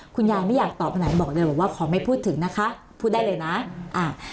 คุณยายไม่อยากตอบอันไหนบอกเลยบอกว่าขอไม่พูดถึงนะคะพูดได้เลยนะอ่า